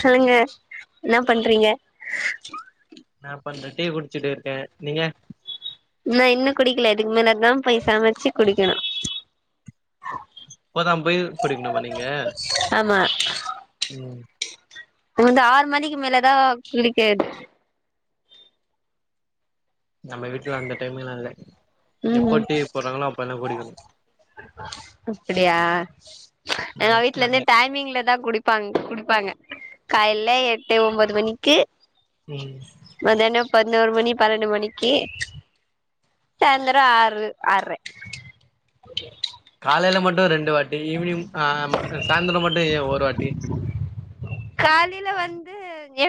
சொல்லுங்க என்ன பண்றீங்க நா இப்ப அந்த டீ குடிச்சுட்டு இருக்கே நீங்க நா இன்னு குடிக்கல இதுக்கு மேலதா போய் சமைச்சு குடிக்கணு இப்போத போய் குடிக்கணுமா நீங்க ஆமா ம் ஒன்ன ஆறு மணிக்கு மேலதா குளிக்கிறது நம்ம வீட்டுல அந்த டைமிங்ல இல்ல எப்ப ம் டீ போடுறாங்களோ அப்ப எல்லா கூடிக்கணு அப்படியா எங்க நாங்க வீட்டுல நாங்க இருந்தே டைமிங்ல தா குடிப்பாங்க குடிப்பாங்க காலல எட்டு ஒன்பது மணிக்கு உம் உடனே பதினோரு மணி பன்னெண்டு மணிக்கு சாயந்திரம் ஆறு ஆறுரை ஓக காலையில மட்டு ரெண் வாட்டி ஈவினிங் ஆ சாயந்திரம் மட்டும் ஒரு வாட்டி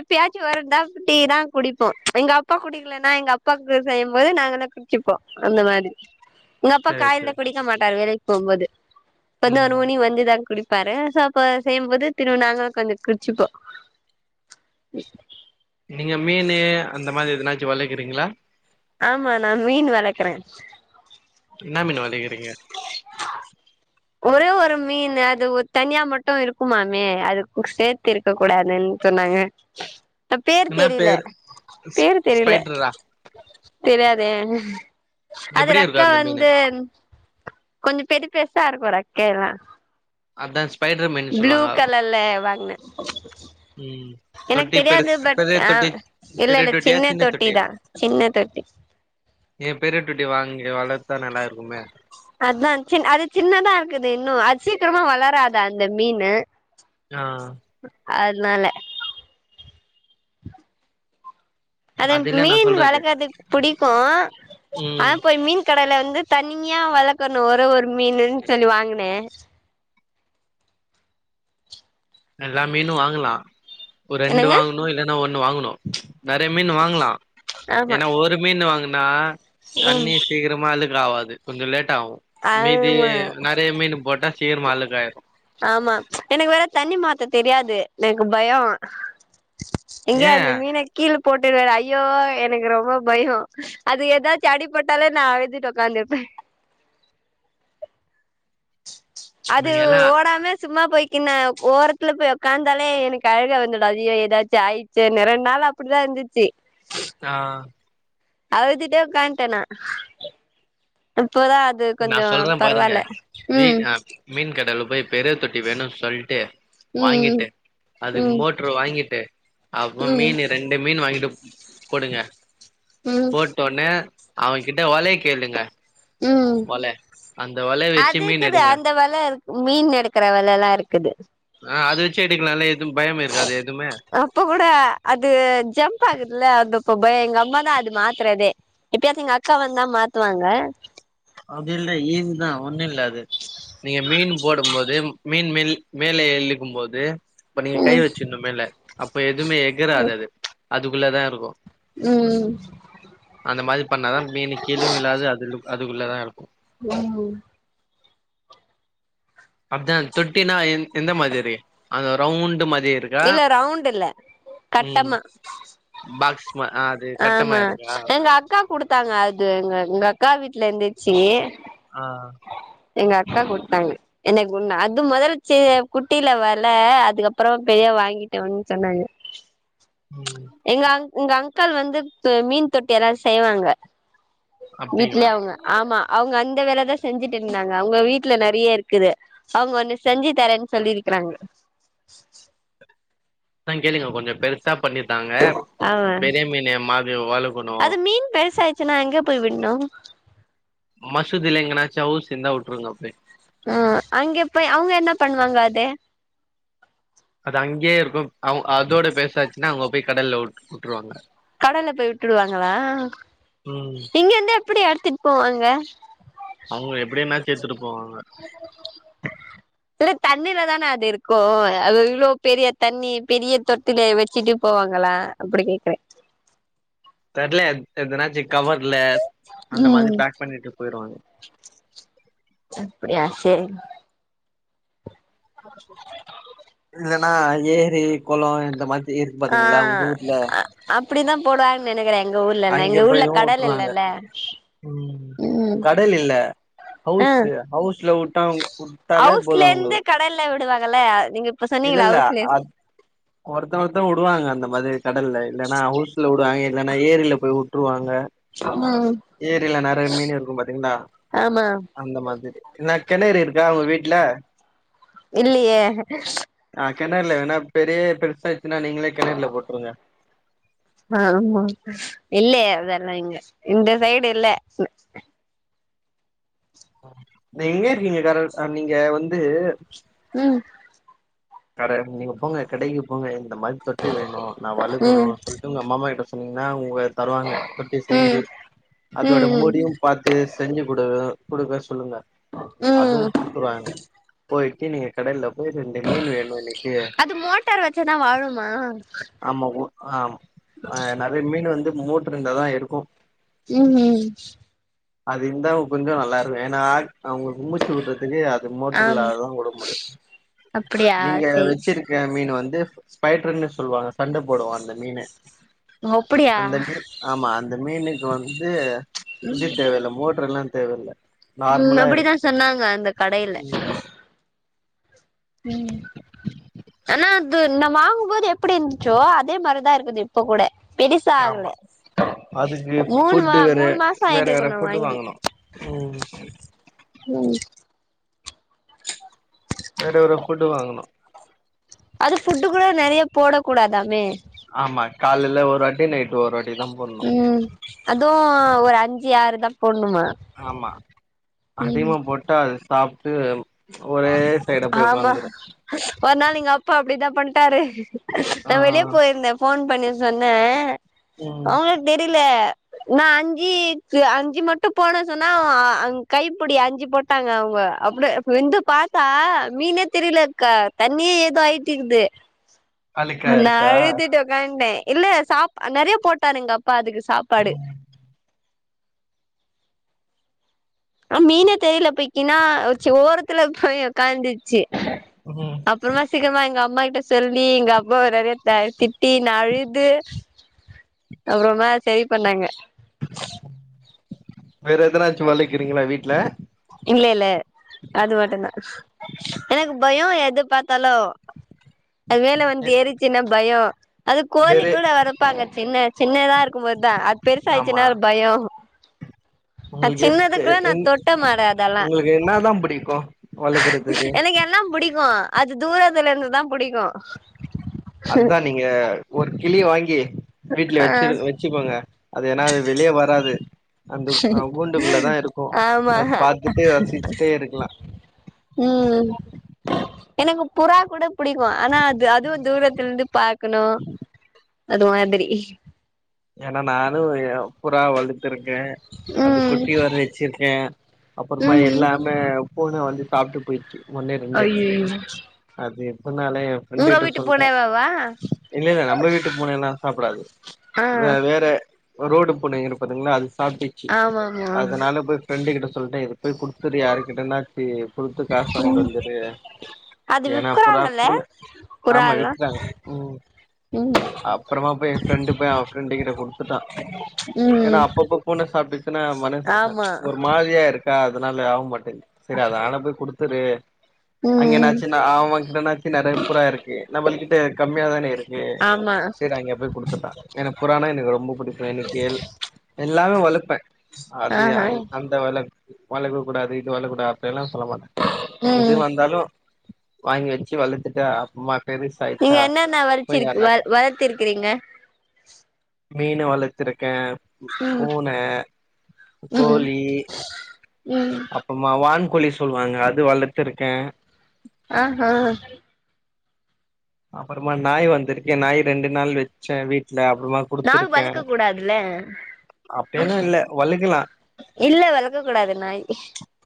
ப்பயாச்சு வந்தாட்டி தா குடிப்போ எங்க அப்பா குடிக்கலன்னா எங்க அப்பாவுக்கு செய்யும்போது நாங்கல்லா குடிச்சிப்போம் அந்த மாரி இங்கப்பா சேரி காலைல சேரி குடிக்க மாட்டாரு வெலைக் ஒன்பது ம் பதினோருமணி மணி வந்த தங்க குடி ப்பாரு சோப்ப செய்யும்போது திரும்வு நாங்களு கொஞ்ச குடிச்சிப்போ நீங்க மீனு அந்த மாதிரி எதனாச்சு வளக்குறீங்களா ஆமா நா மீன் வளக்கறே என்ன மீனு வளக்குறீங்க ஒரே ஒரு மீன் அது தனியா மட்டும் இருக்குமாமே அது சேர்த்து இருக்க கூடாதுன்னு சொன்னாங்க பேர் என்ன தெரியல பேரு ஸ் பேரு தெரியல ஸ்பைட்ரா தெரியாதே அது எப்டி இருக்கு ரக்கா அந்த மீனு வந்து கொஞ்ச பெரி பெருசா இருக்கு ரெக்கல அதா ஸ் ப்ளூ கலர்ல வாங்குனே ம் எனக்கு தொட்டி தெரியாது பெருஸ் பட் பெரிய ஆ தொட்டி ம் இல்ல பெரிய இல்ல தொட்டியா சின்ன தொட்டி தா சின்ன தொட்டி ஏன் பெரிய தொட்டி வாங்கி வளத்தா நல்லா இருக்குமே அதா சின் அது சின்னதா இருக்குது இன்னு அது சீக்கிரமா வளராதா அந்த மீனு ஆ அதனால அது இல்ல நா மீன் சொல்றது வளக்கறதுக்கு புடிக்கு ம் ஆனா போய் மீன் கடைல வந்து தனிமையா வளக்கணு ஒரே ஒரு மீனுன்னு சொல்லி வாங்குனே எல்லா மீனு வாங்கலா ஒரு ரெண்டு என்னங்க வாங்கணு இல்லன்னா ஒன் ன்னு வாங்கணு நெறைய மீன் வாங்கலா ஆமா ஏன்னா ஒரு மீன் வாங்கு நா ம் தண்ணி சீக்கிரமா அழுக் கு ஆவாது கொஞ்ச லேட் ஆகு மீதி ஆமா நெறைய மீன் போட்டா சீக்கிரமா அழுக்காயிரு ஆமா எனக்கு வேற தண்ணி மாத் த தெரியாது எனக்கு பயோ ஏ எங்கயாது அந்த மீன கீழ போட்டுடுவேன்னு ஐயோ எனக்கு ரொம்ப பயோ அது எதாச்சி அடி பட்டாலே நான் அழுதுட்டு உக்காந்துருப்பே அது நீங்க எல்லா ஓடாம சும்மா போய்க்கீன்னா ஓரத்துல போய் ஒக்காந்தாலே எனக்கு அழுக வந்துடு ஐயோ ஏதாச்சு ஆயிட்ச்சேன்னு ரெண்ட் நாளா அப்பிடிதா இருந்துச்சி ஆ அழுதுட்டே உக்காண்ட்டே நா இப்போதா அது நா கொஞ்சோ சொல்றே பாருங்க பரவால்ல வீ ம் அ மீன் கடைல போய் பெரிய தொட்டி வேணுன்னு சொல்ட்டு ம் வாங்கிட்டு அதுக்கு ம் மோட்ரு வாங்கிட்டு அப்புறோ மீனு ரெண்டு மீனு வாங்கிட்டு குடுங்க ம் போட்டொன்னே அவகிட்ட வலய கேளுங்க ம் வல அந்த வலைய வச்சு அது மீன் இக்குது எடுங்க அந்த வல இருக்கு மீன் எடுக்குற வலல்லா இருக்குது ஆ அது வச்சு எடுக்கலால்ல எதுவு பயம் இருக்காது எதுமே அப்ப கூட அது ஜம்ப் ஆகுதுல்ல அந்த ப்பொபே எங்க அம்மாதா அது மாத்துறதே எப்பயாச்சு எங்க அக்கா வந்தா மாத்துவாங்க அது இல்ல ஈஸிதா ஒன்னுல்ல அது நீங்க மீனு போடும்போது மீன் மில் மேல எழுக்கும்போது இப்ப நீங்க கை ம் வெச்சிருனு மேல அப்ப எதுமே எகுறாது அது அதுக்குள்ள தா இருக்கு ம் அந்த மாரி பண்ணாதா மீனு கீழயு விழாது அதுலு அ துக்குள்ளதா இருக்கு ம் அதா தொட்டினா எந் எந்த மாதிரி இருக்கு அந்த ரவுண்டு மாதி இருக்கா இல்ல ரவுண்ட் இல்ல ம் கட்டமா பாக்ஸ் மா அது கட்டமா ஆமா இருக்கா எங்க அக்கா குடுத்தாங்க அது எங்க எங்க அக்கா வீட்லந்து எ ச்சி ஆ எங்க அக்கா குடுத்தாங்க எனக்கொன்னு அது மொதல் செ குட்டில வல அதுக்கப்பறோ பெயா வாங்கிட்டு வந்து சொன்னாங்க ம் எங்க அங் எங்க அங்கள் வந்து து மீன் தொட்டியெலா செய்வாங்க அப்டிங்களா வீட்லயே அவுங்க ஆமா அவுங்க அந்த வேலதா செஞ்சுட்டுருந்தாங்க அவுங்க வீட்ல நெறைய இருக்குது அவுங்க ஒன்னு செஞ்சு தரேன் சொல்லியிருக்குறாங்க ஆ கேளுங்க கொஞ்ச பெருசா பண்ணி தாங்க ஆமா பெரிய மீனு மாரி வளக்கணு ச்சுனா எங்க போய் விட்னு மசூதில எங்கனாச்சு அவுஸ் இருந்தா வுட்ருங்க அப்டே ம் அங்கெப்பொய் அவுங்க என்ன பண்ணுவாங்க அது அது அங்கெயே இருக்கு அவ அதோட பெருசாச்சுனா அவுங்க போய் கடல்லவுட் உட்ருவாங்க கடல்ல போய் உட்டுடுவாங்களா ம் இங்கெந்து எப்பிடி எடுத்துட் போவாங்க [inaudible] அவுங்க எப்படியன்னாச்சு எடுத்துட்டுபோவாங்க இல்ல தண்ணில தான அது இருக்கு அது இவ்ளோ பெரிய தண்ணி பெரிய தொட்டில வச்சுட்டு போவாங்களா அப்புடி கேக்குறே தெர்ல எதுனாச்சி கவர்ல அந்த மாரி ம் பேக் பண்ணிட்டு போயிருவாங்க ஏ ன்னா ஏரி குளோ இந்த மாதிரி இருக்கு ஆ பாத்தீங்களா உங்க ஊர்ல அப்டிதா போடுவான் நெனைக்ரே அங்க போயு விட்ருவாங்க உ ம் கடல் இல்ல ஆ ஹவுஸ் ஹவுஸ்ல விட்டா விட்டாலே போது ஹவுஸ்ல அவங்க இருந்து கடல்ல விடுவாங்கல்ல நீங்க இப்ப சொன்னீங்கள இல்லல்ல ஹவுஸ்ல ஒருத்தே ஒருத்தே உடுவாங்க அந்த மாதிரி கடல்ல இல்லன்னா ஹவுஸ்ல விடுவாங்க இல்லன்னா ஏரில து விட்டுருவாங்க ம் ஏரில நெறையா மீன் இருக்கு பாத்தீங்களா ஆமா அந்த மாதிரி என்ன கெணரு இருக்கா உங்க வீட்டுல இல்லயே கெனர்ல வேனா பெரிய பெருசா னா நீங்களே கிணறுல போட்ருங்க ஆமா இல்லயே அதெல்லா இங்க இந்த சைடு இல்ல எங்க இருக்கீங்க கரக்ட் நீங்க வந்து உ கட நீங்க போங்க கடைக்கு போங்க இந்த மாரி தொட்டி வேணு நா வழக்கணு ம் சொல்லிட்டு உங்க மாமா கிட்ட சொல் ன்னா உங்க தருவாங்க தொட்டி செஞ்சு ம் அதோட ம் ம் மூடியு பாத்து செஞ்சு குடு புடுக்கேஸ் சொல்லுங்க அதுவு ம் குடுத்துருவாங்க போய் நீ நீங்க கடையில போய் ரென்டு அது மோட்டார் வச்சதா வாழுமா ஆமா ஆ நிறையா மீன் வந்து மோட்டருண்டாதா இருக்கு உ உ அது இருந்தா உ கொஞ்சோ நல்லா இருக்கு ஏனா அவங்க கும்மிச்சு உட்றதுக்கு அது மோட்டர் ஆம் இல்லாததா உட முடியு அப்படியா நீங்க சேரி வச்சிருக்க மீன் வந்து ஸ்பைடர்ன்னு சொல்லுவாங்க சண்ட போடுவா அந்த மீனு பொப்படியியா இந்த மீனுக்கு வந்து ம் மோட்டர் எல்லா தேவ இல ம் அப்படித்தா சொன்னாங்க அந்த கடையில ம் ம் ஆனா அது நா வாங்கும்போது எப்படி இருந்துச்சோ அதே மாரிதா இருக்குது இப்ப கூட பெருசா ஆமா ஆகலை அதுக்கு மூணு மா ஃபுட்டு வேற மூணு மாச வேற ஆயிட்டு வேற இருக்கணு ஃபுட்டு வாங்கி வாங்கணு ம் ம் வேற ஒரு ஃபுட்டு வாங்கணு அது ஃபுட்டு கூட நிறைய போடக்க கூடாதாமே ஆமா காலைல ஒரு வாட்டி நட் ஒருராட்டி தா போட்னு அது ஒரு அஞ்சு ஆறு தா போ ஆமா ம் அதிகமா போட்டா அது சாப் [unintelligible] ஆமா ஒரு நாள் நீங்க அப்பா அப்படிதா பண்டாரு ஆ நா வெளியே போயிருந்தே போன் பண்ணி சொன்னே ம் அவங்களுக்கு தெரியல நா அஞ்சுக்கு அஞ்சு மட்டும் போனே சொன்னா கைப்பிடி அஞ்சு போட்டாங்க அவங்க அப்படி வந்து பா்த்தா மீனே தெரியலக்கா தண்ணியே ஏதோ ஆயிட்டக்குது அழுக்கா நா இருக்கா அழுதிட்டுக்கண்டே இல்ல சா நிறைய போட்டாரு எங்க அப்பா அதுக்கு சாப்பாடு ம் மீன தெரியல போய்க்கின்னா அச் ஓரத்துல போய் உகாந்துச்சு ம் அப்புறமா சீக்கிரமா எங்க அம்மா க சொல்லி எங்க அப்பாவ நிறைய திட்டி ந அழுது அப்புறமா சரி பண்ணாங்க வேற எதனாச்சு வழக்குறீங்களா வீட்ல இல்ல இல்ல அது மட்டும்தா எனக்கு பயம் எது பாத்தாலு அது மேல வந்து எரிச்சின்னா பயம் அது கோழி வேற கூட வரப்பாங்க சின்ன சின்னதா இருக் இருக்குபோ தா அது பெருசா ஆமா ஆயிச்சுன்னா பயோ அது உங்களுக்கு எது சின்னது எ கூட நா எ தொட்ட மாட்டே அதெல்லா உங்களுக்கு என்னா தா பிடிக்கு எனக்கு எல்லா புடிக்கு அது தூரத்துலயிருந்தா அதா நீங்க ஒரு கிளிய வாங்கி வீட்ல ஆ வச்சிரு வச்சிப்போங்க அது ஏன்னா அது வெளிய வராது அந்த அ கூண்டுக்குள்ளதா இருக்கு ஆமா அது பாத்துட்டு ரசிச்சுட்டே இருக்கலா ம் எனக்கு புறா கூட புடிக்கு ஆனா அது அதுவும தூரத்துலந்து பாக்கணு அது மாதிரி ஏன்னா நானு எ புறா வளத் த் இருக்கே அது ம் குட்டி வர வச்சிருக்கே அப்புறமா ம் எல்லாமே பூன வந்து சாப்ட்டு போயிச்சி ஓன்னே ரெண்டு ஐயயோ அது சொன்னாலே எ ஃப்ரெண்டு உங்க கிட்ட வீட்டு சொல்லிட்டே பூனைவாவா இல்ல இல்ல நம்ம வீட்டு பூனைல்லா சாப்படாது ஆ த வேறே ஒரோடு பூனை இருப்பதுங்களா அது சாப்பிட்டிச்சி ஆமாமா அதனால போய் பிரெண்டு கிட்ட சொல்ட்டே இருக் போய் குடுத்துரு யாருக்கிட்டனாச்சி குடுத்து காசு வாங்கிட்டு வந்துரு அது ஏன்னா அப்புறோ விக்குறாங்கல்ல பூன ஆமா புறால்லா விக்கறாங்க ம் ம் அப்புறமா பேய் ஏ ஃப்ரெண்டு பேய் ரென்ட் கிட்ட குடுத்துட்டா ஏன்னா ம் அப்பப்ப பூன சாப்பிடுச்சின்னா ஆமா ஒரு மாரியா இருக்கா அதனால ஆவமாட்டே சேரி அது ஆன போய் குடுத் த்துரு அங்க ம் என்னாச்சு அவங்ககிட்டனாச்சி நெறைய புறா இருக்கு நம்ள்கிட்ட கம்மியா தான இருக்கு ஆமா சரி அங்க போய் குடுத்துட்டான் என ஆனா எனக்கு ரொம்ப பிடிக்கும் எனக்கு எல் எல்லாமே வளப்பேன் அது அ ஆஹா அந்த வெல வளக்க கூடாது இது வளக் கூடாது அப்படிலாம் சொல்லமாட்ட எது ம் வந்தாலும் வாங்கி வச்சு வளத்துட்டு அப்புமா நீங்க என்னன்ன வளிச்சிருக்கு வ வளத்திருக்கிறீங்க மீன வளத்துருக்கேன் ம் பூனை ம் கோழி ம் அப்பமா வான் கோழி சொல்லுவாங்க அது வளத்துருக்கேன் ஆஹ அப்பறமா நாய் வந்திருக்கேன் நாய் ரெண்டு நாள் வச்சேன் வீட் நாள்வளக்க கூடாது இல்ல அப்டியெல்லா இல்ல வளக்கலா இல்ல வளக்க கூடாது நாய்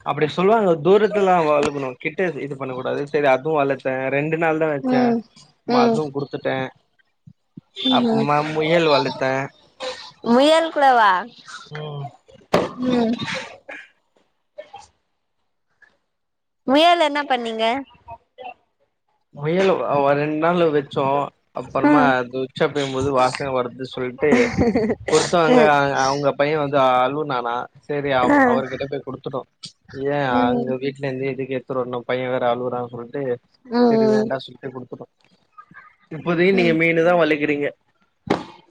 அப்டி சொல்லுவாங்க தூரத்துல்லா வளக்கனும் கிட்ட இது இது பண்ணக்கூடாது சரி அதுவும் வளத்தேன் ரெண்டு நாள் தான் வச்சேன் ம் ம் அப்றமா முயல் வளத்தே முயல் கூடவா ம் ம் முயல என்ன பண்ணீங்க முயலோ ப வ ரெண்டு நாள்ல வச்சோம் அப்பறமா ம் அது உச்சா பெயும்போது வாசன வருது சொல்ட்டு கொடுத்தாங்க ம் அ அவுங்க பையன் வந்து அளுவுனா நா சரி அவ ஆ அவர்கிட்ட போய் குடுத்துட்டோம் ஏன் ம் அங்க வீட்ல இருந்து எதுக்கே ஒருத்தரு வரனும் பையன் வேற அழுவறான் சொல்ட்டு சரி ம் வேண்டா சொல்ட்டு குடுத்துட்டோம் இப்போதிக்கு நீங்க மீனு தா வளக்கிறீங்க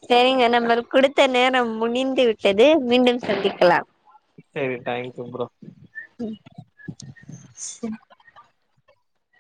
செரிங்க நம்மளுக்கு கொடுத்த நேரம் முடிந்து விட்டது மீண்டும் சந்திக்கலாம் சரி தேங்க்யூ ப்ரோ ம் சரி